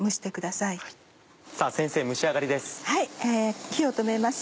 さぁ先生蒸し上がりです。